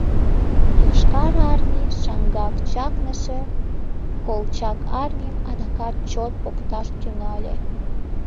Йошкар Армий шаҥгак чакныше Колчак армийым адакат чот покташ тӱҥале.